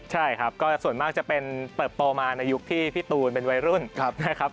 ใช่ครับก็ส่วนมากจะเป็นเติบโตมาในยุคที่พี่ตูนเป็นวัยรุ่นนะครับ